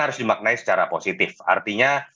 harus dimaknai secara positif artinya